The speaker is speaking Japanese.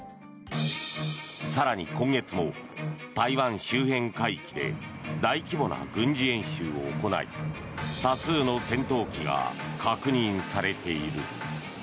更に今月も台湾周辺海域で大規模な軍事演習を行い多数の戦闘機が確認されている。